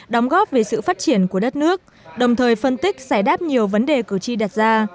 đóng góp về sự phát triển của đất nước đồng thời phân tích giải đáp nhiều vấn đề cử tri đặt ra